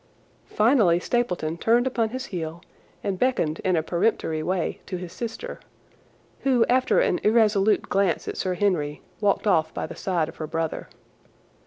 Finally Stapleton turned upon his heel and beckoned in a peremptory way to his sister, who, after an irresolute glance at Sir Henry, walked off by the side of her brother.